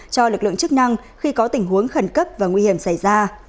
cho lực lượng chức năng khi có tình huống khẩn cấp và nguy hiểm xảy ra